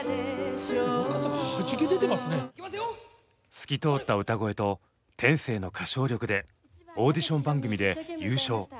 透き通った歌声と天性の歌唱力でオーディション番組で優勝。